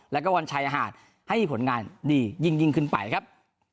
แล้วก็วันชายหาดให้มีผลงานดียิ่งขึ้นไปครับ